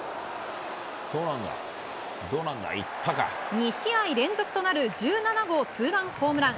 ２試合連続となる１７号ツーランホームラン。